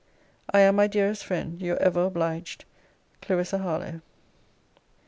I am, my dearest friend, Your ever obliged, CLARISSA HARLOWE.